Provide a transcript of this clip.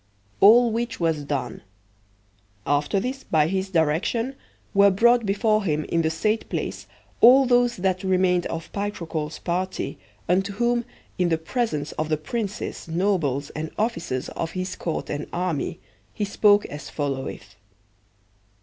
All which was done. After this, by his direction, were brought before him in the said place all those that remained of Picrochole's party, unto whom, in the presence of the princes, nobles, and officers of his court and army, he spoke as followeth.